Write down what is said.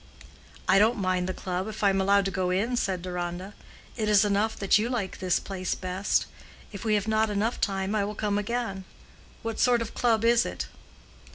"I don't mind the club if I am allowed to go in," said Deronda. "It is enough that you like this place best. If we have not enough time I will come again. What sort of club is it?"